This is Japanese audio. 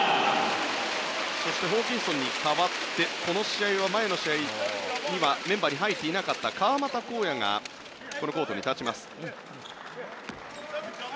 そしてホーキンソンに代わって前の試合にはメンバーに入っていなかった川真田紘也がこのコートに立ちます。